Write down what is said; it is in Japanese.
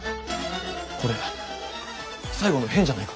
これ最後の変じゃないか？